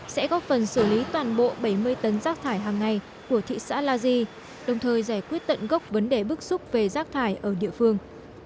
sẽ góp phần xử lý toàn bộ bảy mươi tấn rác thải hàng ngày của thị xã la di đồng thời giải quyết tận gốc vấn đề bức xúc về rác thải ở địa phương